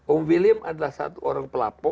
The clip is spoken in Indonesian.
om william adalah satu orang pelapor